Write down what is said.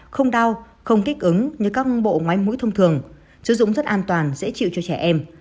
không đau không kích ứng như các bộ máy mũi thông thường sử dụng rất an toàn dễ chịu cho trẻ em